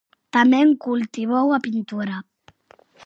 Tamén cultivou a pintura.